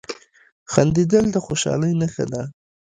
• خندېدل د خوشحالۍ نښه ده.